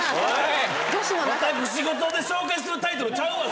私ごとで紹介するタイトルちゃうわ！